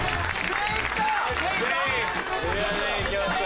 ・全員いきました。